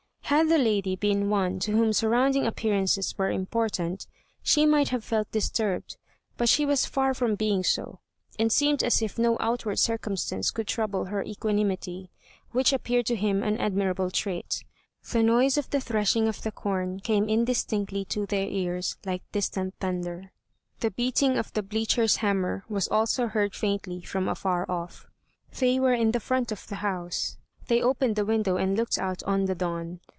Had the lady been one to whom surrounding appearances were important, she might have felt disturbed, but she was far from being so, and seemed as if no outward circumstances could trouble her equanimity, which appeared to him an admirable trait. The noise of the threshing of the corn came indistinctly to their ears like distant thunder. The beating of the bleacher's hammer was also heard faintly from afar off. They were in the front of the house. They opened the window and looked out on the dawn.